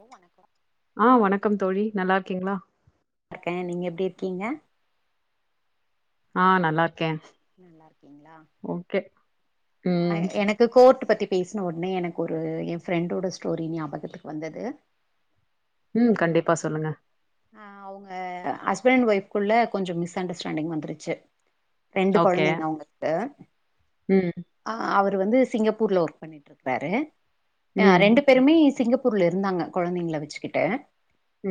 ஓ வணக்கம் ஆஹ் வணக்கம் தோழி நல்லா இருக்கீங்களா இருக்கே நீங்க எப்டி இருக்கீங்க ஆஹ் நல்லா இரு நல்லா இருக்கீங்களா ம். அஹ் எனக்கு கோர்ட் பத்தி பேசின ஒடனே எனக்கு ஒரு ஏ ஃப்ரெண்டோட ஸ்டோரி ஞாபகத்துக்கு வந்தது ம் கண்டிப்பா சொல்லுங்க அவங்க ஹஸ்பண்ட் அண்ட் ஒய்ஃப்க்குள்ளே கொஞ்சோ மிஸ் அண்டர்ஸ்டாண்டிங் வந்துருச்சு ரெண்டு ஓகே. குழந்தைங்க உங்களுக்கு ம். ஆஹ் அவ வந்து சிங்கப்பூர்ல ஒர்க் பண்ணிட்டு இருக்காரு ஆஹ் ம். ரெண்டு பேருமே சிங்கப்பூர்ல இருந்தாங்க குழந்தைங்களை வச்சுக்கிட்டு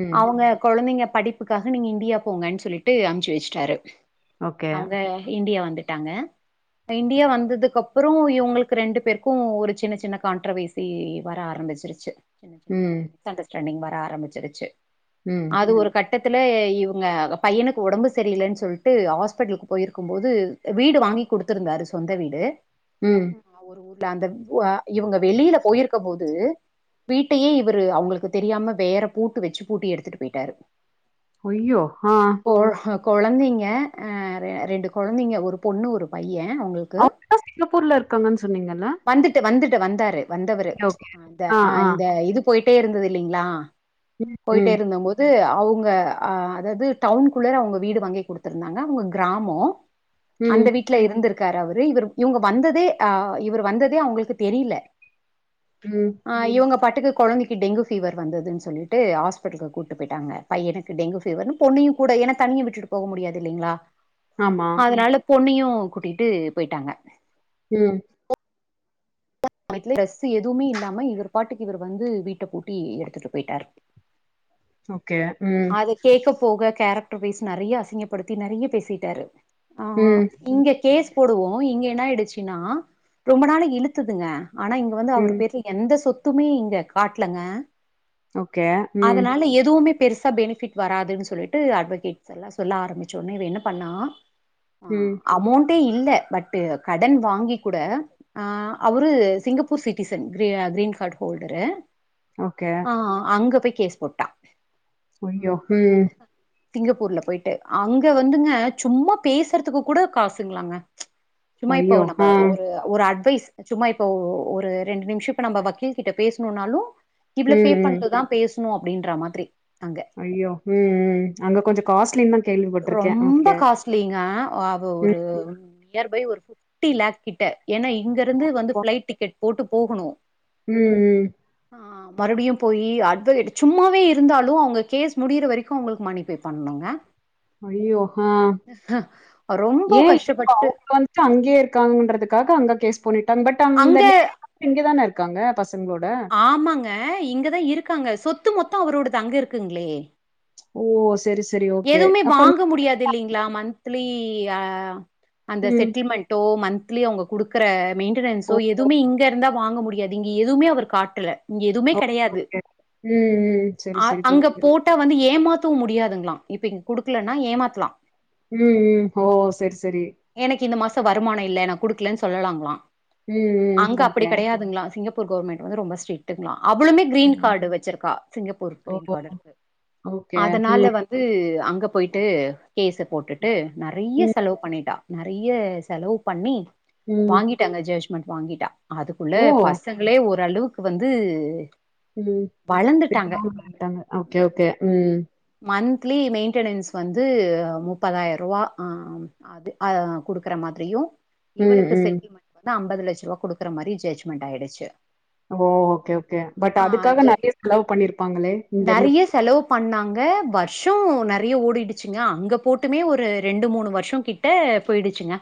ம். அவுங்க குழந்தைங்க படிப்புக்காக நீங்க இந்தியா போங்கன்னு சொல்லிட்டு அமுசு வச்சுட்டாரு ஓகே அவங்க இந்தியா வந்துட்டாங்க இந்தியா வந்ததுக்குப்புறம் இவங்களுக்கு ரெண்டு பேருக்கும் ஒரு சின்ன சின்ன கான்ட்ரவர்சி வர ஆரம்பிச்சிருச்சு சின்ன சின் ம். மிஸ் அண்டர்ஸ்டாண்டிங் ஆரம்பிச்சிருச்சு ம். அது ஒரு கட்ட பட்டத்துல இவங்க பையனுக்கு உடம்பு சரியில்லைன்னு சொல்ட்டு ஹாஸ்பிட்டலுக்கு போயிரு இருக்கும் போது வீடு வாங்கி கொடுத்திருந்தாரு சொந்த வீடு ம். உம் ஒரு ஊ அந்த இவங்க வெளியில போயிருக்க போது வீட்டையே இவரு அவங்களுக்கு தெரியாம வேற பூட்டு வச்சு பூட்டி எடுத்துட்டு போயிட்டாரு யயோ ஆஹ் குழந்தைங்க ரெண்டு குழந்தைங்க ஒரு பொண்ணு ஒரு பைய அவங்களுக்கு அவூங்க தான் சிங்கப்பூர்ல இருக்காங்கன்னு சொன்னீங்கல்ல வந்துட்டு வந்துட்டு வந்தாரு வந்தவரு ஓகே. ப்ச் ஆ, ஆஹ் ஆ. இந்த இது போயிட்டே இருந்தது இல்லிங்களா ம். போயிட்டே ம். இருந்த போது அவுங்க அதாவது டவுனுக்குள்ளற அவுங்க வீடு வாங்கி கொடுத்துருந்தாங்க அவுங்க கிராமம் அந்த ம். வீட்டு்ல இருந்திருக்கு இருக்காரு அவரு இவர் இவுங்க வந்ததே அஹ் இவர் வந்ததே அவங்களுக்கு தெரியில ம். ஆஹ் இவங்க பாட்டுக்கு குழந்தைக்கு டெங்கு பீவர் வந்ததுன்னு சொல்லிட்டு ஹாஸ்பிடலுக்கு கூட்டு போயிட்டாங்க பையனுக்கு டெங்கு பீவர் பொண்ணையும் கூட என தனிய விட்டுட்டு போக முடியாது இல்லிங்களா ஆமா. அதனால பொண்ணையும் கூட்டிட்டு போயிட்டாங்க உம் அந்த சமயத்துல டிரஸ் எதுவுமே இல்லாம இவர் பாட்டுக்கு இவர் வந்து வீட்ட பூட்டி எடுத்துட்டு போயிட்டாரு ஓ அது கேட்க போக கேரக்டர் ரு பேசி நறைய அசிங்கப்படுத்தி நிறைய பேசிட்டாரு ஆஹ ம். இங்க கேக் போடுவோ இங்க என்ன ஆயிடுச்சுன்னா ரொம்ப நாள இழுத்துதுங்க ஆனா இங்க வந்து அவர் ம். பேருல எந்த சொத்து எதுவுமே இங்க காட்லங்க ஓகே உம் அதனால எதுவுமே பெருசா பெனிஃபிட் வராதுன்னு சொல்லிட்டு அட்வகேட்ஸ் எல்லா சொல்ல ஆரம்பிச்ச ஒட்னே இவ என்ன பண்ணா ஆஹ் ம். அமௌன்ட் ட்ட இல்ல பட் கடன் வாங்கி கூட ஆஹ அவுரு Singapore citizen green card holder okay. ஆஹ் அங்க போய் கேஸ் போட்டா ஐய்யோ உஹம் சிங்கப்பூர்ல போயிட்டு அங்க வந்துங்க சும்மா பேசுறதுக்கு கூட காசுங்களாங்க சும்மா இப்போ ஐயோ! நம்ம ஆ. ஒரு ஒரு அட்வைஸ் சும்மா இப்ப ஒரு ரெண்டு நிமிஷோ இப்ப நம்ம வக்கீல் கிட்ட பேசணும்னாலும் இவ்ளோ பே ம். ம். பண்ணட்டுதா பேச னும் அப்டின்றா மாதிரி அங்க ஐயோ உஹம் உ ம் அங்க கொஞ்சோ காஸ்ட்லின்னு தா கேள்விப்பட்டிருக்கே ரொம்ப ஓகே உம் இயர்பை ஒரு பிப்டி லேக் கிட்ட ஏன்னா இங்கிருந்து வந்து ஃப்ளைட் டிக்கெட் போட்டு போகணு உம் உம் ஆஹ் மறுபடியும் போய் அட்வகேட் சும்மாவே இருந்தாலு அவ உங்க கேஸ் முடியற வரைக்கும் அவுங்களுக்கு மணி பே பண்ணனுங்க ஐயோ ஹா ரொம்ப ஏன் இப்ப கஷ்டப்பட்டு அவுங்க வந்துட்டு அங்கயே இருக்காங்கன்றதுக்காக அங்க கேஸ் போணிட்டாங்க பட் அந்த அங்க லேடிந்து வந்து இங்கதானே இருக்காங்க பசங்களோட ஆமாங்க இங்கதா இருக்காங்க சொத் சொத்து மொத்தோ அவரோடது அங்க இருக்குங்களே ஓ! சரி, சரி. ஓகே. எதுவுமே அப்ப அந்த வாங்க முடியாது இல்லைங்களா மந்த்லி பியா அந்த ம். செட்டில்மெண்டோ மந்த் த்லி அவுங்க குடுக்குற ஓ! மெயின்டனன்ஸோ எதுமே இங்க இருந்தா வாங்க முடியும் அது இங்க எதுவுமே அவருக்கு காட்டுல இங்க எதுவுமே ஓகே, கெடையாது ஓகே. ம், ம். சரி, சரி. அங்க புரியுது. போட்டா வந்து ஏமாத் பவும் முடியாதுங்களாம் இப்ப இங்க குடுக்கலன்னா ஏமாத்லாம் உம் உம் ஓ சரி சரி எனக்கு இந்த வருமானம் இல்லை ந கு டுக்கலன்னு சொல்லலாங்களாம் ம், ம். அங்க அப்படி ஓகே. கிடையாதுங்களா சிங்க பூர் கவெர்மென்ட் வந்து ரொம்ப ஸ்ட்ரிட்டுங்களாம் அவளமே கிரீன் ம். கார்டு வச்சிருக்கா சிங்கப்பூர் ஓ! கிரீன் கார்டு இருக்கு ஓகே. ம், அதனால வந்து அங்க அங்க போயிட்டு கேஸை போட்டுட்டு நிறைய ம், செலவு பண்ணிட்டா நிறைய செலவு பண்ணி ம். வாங்கிட்டாங்க ஜட்ஜ் மட் வாங்கிட்டா அதுக்குள்ள ஓ! பசங்களே ஒரு அளவுக்கு வந்து உம் வளந்துட்டாங்க [unintelligible] ஓகே ஓகே உம் மந்த்த்லி மெயின்டெனன்ஸ் வந்து முப்பதாயிரம் ரூபா அது கொடுக்குற மாதிரியு ம், இவளுக்கு ம். செட்டில்மெண்ட தான் முப்பது லட்ச ரூபா குடுற மாதிரி ஜட்ஜ்மெண்ட் ஆயிடுச்சு ஓ ஓகே ஓகே பட் ஆ அதுக்காக ஜ நிறைய செலவு பண்ணிருப்பாங்களே இங்க இருந்து வருஷம் நிறைய ஓடிடுச்சுங்க அங்க போட்டுமே ஒரு ரெண்டு மூணு வருஷம் கிட்ட போயிடுச்சுங்க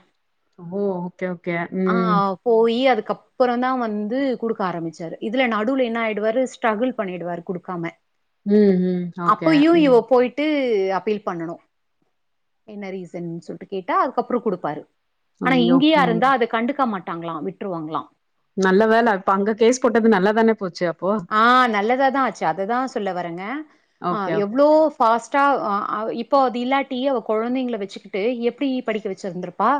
ஓஹ் ஓகே ஓகே ஆ உம் போயி அதுக்கப்புறம் தான் வந்து குடுக்க ஆரம்பிச்சாரு இதுல நடுவில் என்ன ஆயிடுவாரு ஸ்ட்ரகுள் பண்ணிடுவாரு குடுக்காம உம் உம் அப்பயு இவ போயிட்டு அபீல் பண்ணனும் என்ன ரீசன் சொல்லிட்டு கேட்டா அதுக்கப்புறம் குடுப்பாரு ஆனா ஐயோ! இங்கேயா ம். இருந்தா அதை கண்டுக்க மாட்டேன் விட்டாங்களாம் விட்டுருவாங்களாம் நல்ல வேலை இப்ப அங்க கேஸ் போட்டது நல்லாதானே போச்சு அப்போ? ஆஹ் நல்லதாதான் ஆச்சு அததான் சொல்ல வரங்க ஓகே, ஆஹ் ஓகே. எவ்வளோ ஃபாஸ்டா இப்போ அது இல்லாட்டி அவ குழந்தைங்க வச்சுக்கிட்டு எப்படி படிக்க வச்சிருந்தருப்பா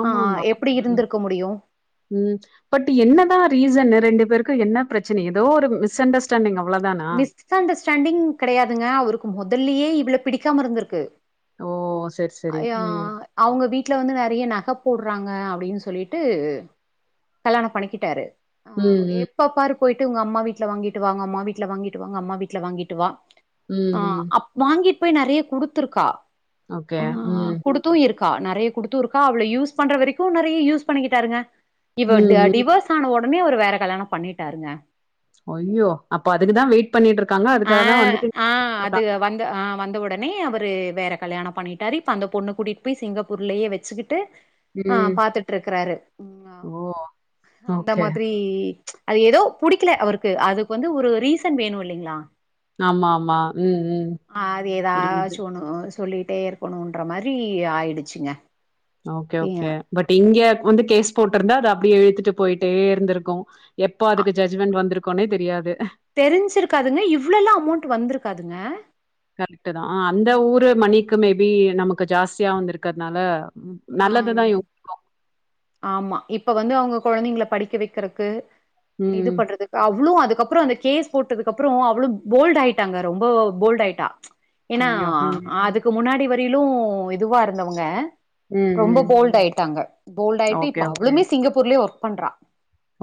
ஆமாமா உம் பட் என்னதான் ரீசன் ரெண்டு பேருக்கு என்ன பிரச்சனை ஏதோ ஒரு மிஸ் அண்டர்ஸ்டாண்டிங் அவ்ளோதானா? மிஸ் அண்டர்ஸ்டாண்டிங் கிடையாதுங்க அவரு முதல்லயே இவ்ள பிடிக்காம இருந்திருக்கு ஓ! சரி, சரி. அயோ ம். அவங்க வீட்டுல வந்து நெறய நக போடுறாங் க அப்டின்னு சொல்லிட்டு கல்யாணம் பண்ணிக்கிட்டாரு ஆவ் ம், ம். எப்ப பாரு போய்ட்டு ஒங்க அம்மா வீட்ல வாங்கிட்டு வா ஒங்க அம்மா வீட் ல வாங்கிட்டு வா ஒங்க அம்மா வீட்டுல வாங்கிட்டு வா ம், ம். ஆஹ் அப் வாங்கிட் போய் நெறைய குடுத்துருக்கா ஓகே உம் கா நெறைய குடுத்து இருக்கா அவள யூஸ் பண்ற வரைக்கு நெறைய யூஸ் பண்ணிக்கிட்டாருங்க இவ ம், ட ம். டிவோஸ் ஆன ஒ டனே அவரு வேற கல்யாணம் பண்ணிட்டாருங்க அய்யோ அப்ப அதுக்குதா வெயிட் பண்ணிட்டு இருக்காங்க ஆ அதுக்காகதா வந்துட்டு [inaudible] ட்ருக்கா னே அவரு வேற கல்யாணம் பண்ணிட்டாரு இப்ப அந்த பொண்ணு கூட்டிக்கிட் போய் சிங்கப்பூர்லயே வச்சுக்கிட்டு ம். ஆஹ் பாத்துட்டு இருக்கறாரு ம்மா ஓ! அந்த ஓகே. மாதிரி அது எதோ புடிக்கல அவருக்கு அதுக்கு வந்து ஒரு ரீசன் வேணு இல்லைங்களா ஆமா ஆமா உம் உம் புரியுது டே இருக்கனுன்ற மாரி ஆயிடுச்சுங்க ஓகே எ ஓகே பட் இங்கே வந்து கேஸ் போட்டிருந்தா அது அப் ப்டி இழுத்துட்டு போயிட்டே இருந்திருக்கு எப்போ அ அதுக்கு ஜஜ்மெண்ட் வந்துருக் குனே தெரியாது தெரிஞ்சிருக்காதுங்க இவ்ளோலா அமௌண்ட் வந்துருக்காதுங்க கரெக்ட்தா அந்த ஊரு மணிக்கு மேபி நமக்கு ஜாஸ்தியா வந்துருக்கற்னால ஆம் நல்லதுதா [inaudible] ஆமா இப்ப வந்து அவங்க கொழந்தைங்கள படிக்க வைக்கறக்கு இது ம். பண்றதுக்கு அவ்ளு அதுக் கப்புறொ அந்த கேஸ் போட்டதுக்கு அப்புறொ அவ்ளு போ போல்ட் ஆயிட்டாங்க ரொம்ப போல்ட் ஆயிட்டா ஏனா ஐயோ! ம், அ அதுக்கு முன்னாடி வரிலு இதுவா இருந்தவங்க ம், ரொம்ப ம். போல்டாயிட்டாங்க போல்டு ஆயிட்டு ஓகே, இப்ப ஓகே. அவ்ளுமே சிங்கப்பூர்லேயே ஒர்க் பண்றா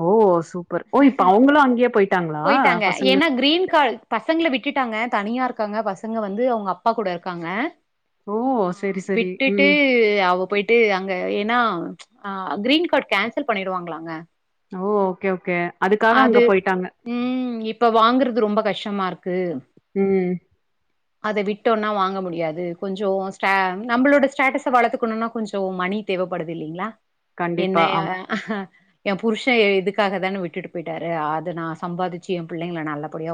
ஓ சூப்பர் ஓ இப்ப அவங்களு அங்கயே போயிட்டாங்களா பசங்கள கூ க்கிட்டாங்க தனியா இருக்காங்க பசங்க வந்து அவங்க அப்பா கூட இருக்காங்க ஓ! ஆஹ் சரி, சரி. விட்டுட்டு ம். அவ் [unintelligible] அங்க ஏன்னா ஆ க்ரீன் கார்டு கேன்சல் பண்ணிடுவாங்களாங்க ஓ ஓகே ஓகே அதுக்காக அங்க அது போயிட்டாங்க. ம் இப்ப வாங்கறது ரொம்ப கஷ்டமா இருக்கு [unintelligible] ம் அத விட்டோன்னா வாங்க முடியாது கொஞ்சோ ஸ்ட நம்மளோட ஸ்டேட்டஸ வளர்த்துக்கணுன்னா கொஞ்சோ மணி தேவப்படுது இல்லிங்களா என்ன கண்டிப்பா. ஆமா. [unintelligible] ஏ புருஷன் இதுக்காக தான விட்டுட்டு போயிட்டாரு அத நா சம்பாதிச்சு ஏ புள்ளைங்கள நல்லப்படியா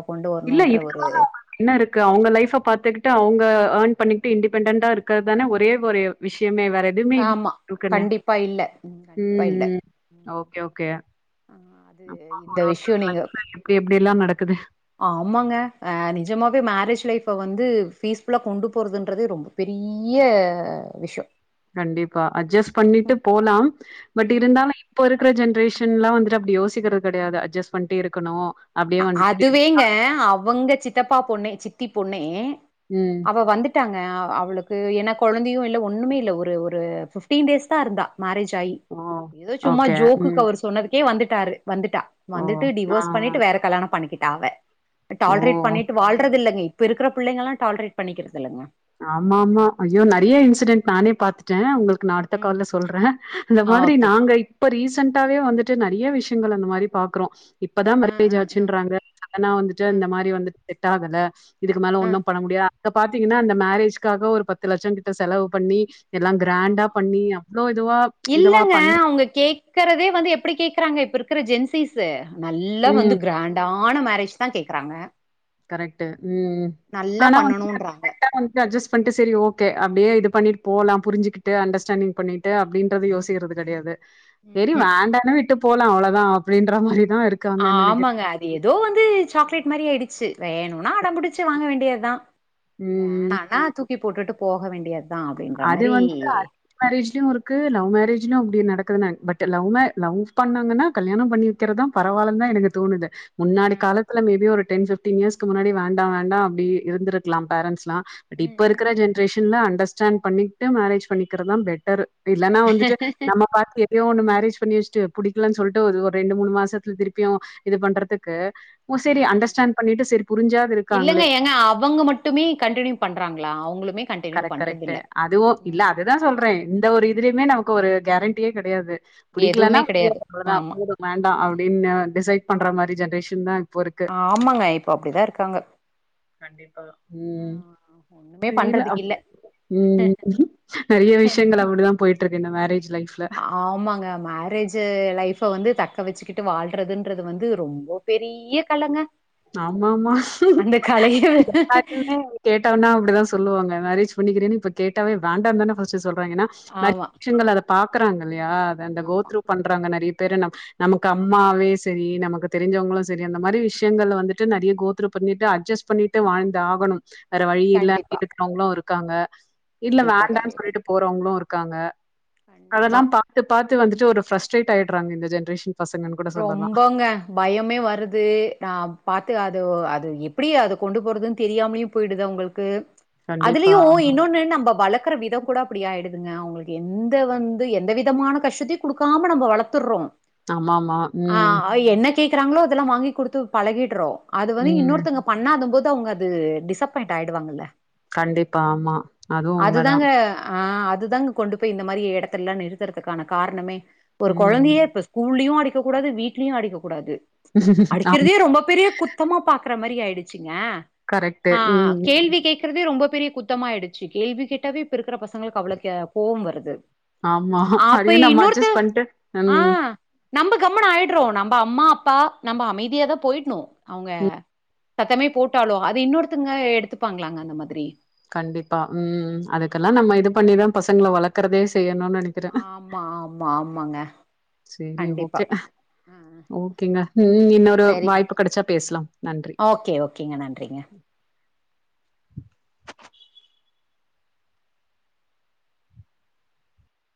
இல்ல இதுக்கு மேல அவுங்களுக்கு என்ன இருக்கு அவங்க லைஃப்ப பாத்துக்கிட்டு அவங்க ஏர்ன் பண்ணிக்கிட்டு இண்டிபெண்டன்ட்டா இருக்கறது தானே ஒரே ஒரு விஷயமே வேற எதுவுமே இல் ஆமா. [unintelligible] கண்டிப்பா இல்ல. கண்டிப்பா ம் இல்ல. ம் ம். ஓகே ஓகே ஆ அது அப்ப இந்த ஒரு ஒருத்தர் விஷயம் நீங்க லைஃப்ல எப்டி எப்டியெல்லா நடக் க்குது ஆமாங்க ஆ நிஜமாவே மேரேஜ் லைஃப்ப வந்து ஃபீஸ்ஃபுல்லா கொண்டுப்போறதுன்றதே ரொம்ப பெரிய விஷ்ய கண்டிப்பா அட்ஜஸ் பண்ணிட்டு போலா பட் ம். இருந்தாலு இப்ப இருக்கிற ஜென்ரேஷன் லா வந்துட்டு அப்டி யோசிக்கிறது கெடையாது அட்ஜஸ் பண்ணிட்டு இருக்கணு ஆ அதுவேங்க அவங்கச் சித்தப்பா பொண்ணே ச்சி த்தி பொண்ணே ம். அவ வந்துட் ட்டாங்க அவளுக்கு ஏனா கொழந்தையு இல்ல ஒன்னுமே இல்ல ஒரு ஒரு ஃபிஃப்டீன் டேஸ் தா இருந்தா மேரேஜ் ஆயி ஓ! எதோ சும்மா ஓகே. ஜோக்குக்கு ம். அவர் சொன்னது கே வந்துட்டாரு வந்துட்டா ஓ! வந்துட்டு ஆ. டிவோர்ஸ் பண்ணிட்டு வேற பண்ணிக்கிட்டா அவ டால்ரேட் ஓ! பண்ணிட்டு வாழ்றது இல்லங்க இப்ப இருக்கிற பிள்ளைங்கெல்லா டால்ரேட் பண்ணிக்கிறது இல்லங்க ஆமா ஆமா ஐயோ நெறயா இன்சிடென்ட் நானே பாத்துட்ட உங்களுக்கு நா அடுத்த ம் கால்ல சொல்ற இந்த மாதிரி ஓகே நாங்க இப்ப ரீசன் ரீசெண்ட்டாவே வந்துட்டு நெறைய விஷயங்கள் அந்த மாதிரி பாக்குறோ இப்பதா அ மேரேஜ் அ அ ஆச்சுன்றாங்க ஆனா வந்துட்டு அ இந்த மாரி வந்துட் எட்டாதுல இதுக்கு மேல அ ஒன்னு பண்ண முடியா பாத்தீங்கன்னா அந்த மேரேஜ்காக ஒரு பத்து லட்சக்கிட்ட செலவு பண்ணி எல்லாம் கிராண்டா பண்ணி அவ்ளோ இதுவா இதுவா இல்லங்க பண்ணி அவுங்க கேக்கறதே வந்து எப்டி கேக்குறாங்க இப்ரு க்கற ஜென்சீஸு நல்லா ம். வந்து கிரேண்டா ஆன மேரேஜ் தா கேக்றாங்க கரெக்ட்டு உம் ஆனா [inaudible] பண்ணணுன்றாங்க அஜஸ் பண்ட்டு செரி ஓகே அப்டியே இது பண்ணிட்டு போலா புரிஞ்சிகிட்டு அண்டஸ்டேண்டிங் பண்ணிட்டு அப்டின்றது யோசிக்கிறது கெடையாது செரி ம்ஹும் வேண்டான வி ட்டு போலா அவ்ளதா அப்டின்ற மாரி தான் ஆ இருக்காங்கன்னு நெனைக்கிறேன். ஆமாங்க அது எதோ வந்து சாக்லேட் மாரி ஆயிடுச்சு வேணுனா அடம்பிடிச்சு வாங்க வேண்டியத்தா ம். வேணானா தூக்கி போட்டுட்டு போக வேண்டிய அது வந்து [inaudible] மேரேஜ்லியு இருக்கு லவ் மேரேஜ் இன்னு அப்டி நடக்குதுனா பட்லவ் மே லவ் பண்ணாங்கன்னா கல்யாணம் பண்ண வெக்கிறத்தா பரவாலன்தா எனக்கு தோணுது முன்னாடி அ காலத்துல மேபி ஒரு டென் ஃபிஃப்டீன் இயர்ஸ்கு முன்னாடி வேண்டா வேண்டா அப்டி இருந்திருக்லா பேரண்ட்ஸ்லா ட் ம் இப்ப ம் இருக்ற ம் ஜென்ரேஷன்ல அண்டஸ் [unintelligible] பண்ணிகிட்டு மேரேஜ் பண்ணிக்கறத்தா பெட்டரு இல்லன்னா வந்துட்டு நம்ம பாத்து ப்டியோ ஒண்ணு மேரேஜ் பண்ணி வெச்ட்டு புடிக்கலன் சொல்ட்டு ஒது ஒரு ரெண்டு மூணு மாசத்ல் திருப்பியு இது பண்றதுக்கு ஓ சரி ம் ம் அண்டர்ஸ்டாண்ட் பண்ணிட்டு சரி புரிஞ்சாவது இருக்காங்களே இல்லங்க ஏங்க அவங்க மட்டுமே கண்டினியூ பண்றாங்ளா அவுங்ளுக் கரெக் கரெக்ட்டு அதுவு இல்ல அதுதா சொல்றே இந்த ஒரு இதுலியுமே நமக்கு ஒரு கேரண்டியே கெடையாது எதுவுமே பிடிக்கலன்னா கெடையாது. [inaudible] அவ்ளதா ஆமா. போது வேண்டா ம். அப்டின்னு டிசைட் பண்ற மாரி ஜன்ரேஷன் தா ஆமங்க இப்ப அப்டிதா இருக்காங்க [inaudible] கண்டிப்பா. பண்றதுக்கு இ உம் ம் நெறைய விஷ்யங்கள் அப்டிதா போய்ட்ருக் என்ன மேரேஜ் லைஃப்ல. ஆமாங்க மேரேஜு லைஃப வந்து த க வெச்சுக்கிட்டு வாழ்றதுன்றது வந்து ரொம்போ பெரிய கலங்க ஆமாமா அந்த கலைய எல்லாருமே கேட்டம்னா அப்டிதா சொல்லுவாங்க மேரேஜ் பண்ணிக்கிறயானு இப்ப கேட்டாவே வேண்டான்தான ஃபஸ்ட் ஸ் சொல்றாய்ங்கனா நெறைய ஆமா, விஷங்கள் அத பாக்கறாங்க இல் லையா அது அந்த கோ ஆமா. த்ரு பண்றாங்க நெறைய பேரு நமக்கு அம்மாவே செரி நமக்கு தெரிஞ்சவங்களு செரி அந்த மாரி விஷய ங்கள வந்துட்டு நெறைய கோ த்ரு பண்ணிட்டு அட்ஜஸ்ட் பண்ணிட்டு வாழ்ந்தாகணும் வேற வழி இல்ல கண்டிப்பா, இருக்கறவங்களு இரு க்காங்க இல்ல கண்டிப்பா, வேண்டான்னு கண்டிப்பா. சொல்லிட்டு போறவங்களு இருக்காங்க கண்டிப்பா. அதெல்லா பாத்து பாத்து வந்துட்டு ஒரு பிரஸரே்ட் ஆய்டுறாங்க இந்த ஜெனரேஷன் ரொம்பங்க பயமே வருது ந பாத்து அது அது எப்படி அது கொண்டு போறதுன்னு தெரியாமலயும் போயிடுது அவங்களுக்கு கண்டிப்பா அதுலயு ஆமா இன்னொன்னு நம்ம வழக் வாழ்கற விதம் கூட அப்படி ஆயிடுதுங்க அவங்களுக்கு எந்த வந்து எந்த விதமான கஷ்டத்தையு கொடுக்காம நம்ம வளர்த்துடுறோம் ஆமாம் ஆ என்ன கேட்கறாங்களோ அதெல்லா வாங்கி கொடுத்து பழகிடுறோம் அது வந்து ம் இன்னொருத்தங்க பண்ணாது போது அவங்க அது டிஸ்ப்பாயிண்ட் ஆயிடுவாங்கல்ல கண்டிப்பா ஆமா அதுவும் உண்மதா அதுதாங்க ஆ அது தாங்க கொண்டு போய் இந்த மாதிரி இடத்துலலா நிறுத்துறதுக்கான காரணமே ஒரு குழந்தைய ம். இப்ப ஸ்கூல்லயு அடி கூடாது வீடலயு அடிக்க கூடாது ஆமா அடிக்கிறதே ரொம்ப பெரிய குத்தமா பாக் கற மாரி ஆயிடுச்சு ங்க கரெக்ட்டு. ஆ ம். கேள்வி கேக்கறதே ரொம்ப பெரிய குத் தமாயிடுச்சு கேள்வி கேட்டாவே இப்ப இருக்கிற பச ங்களுக்கு அவள கே கோவம் வருது ஆமா. அப்ப அதையும் நம்ம இன்னொருத்தே அட்ஜஸ்ட் பண்ட்டு ஆ ம், கம்முன் ஆயடுறோ நம்ம அம்மா அப்பா நம்ம அமைதியாதா போயிடணு அவங்க ம். சத்தமே போட்டாலு அத இன்னொருத்தங்க எடுத்துப்பாங்ளாங்க அந்த மாதிரி கண்டிப்பா ம் ஆ அதுக்கெல்லா நம்ம இது பண்ணிதா பச ங்கள வளக்கறதே செய்ய னுன் நெனைக்கற ஆமா ஆமா ஆமாங்க செரி கண்டிப்பா ஓகே ஆ ஓகேங்க ம் இன்னொரு சரிங்க வாய்ப்பு கெடைச்சா பேசலாம் நன்றி ஓகே ஓகேங்க நன்றிங்க